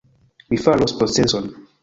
Mi faros proceson!